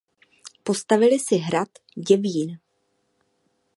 Postavily si hrad Děvín.